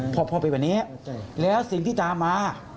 พอพ่อไปวันนี้แล้วสิ่งที่ตามมา